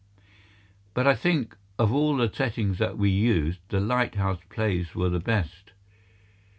But I think of all the settings that we used, the lighthouse plays were the best.